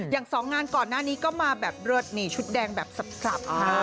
อย่างสองงานก่อนหน้านี้ก็มาแบบเลิศนี่ชุดแดงแบบสับ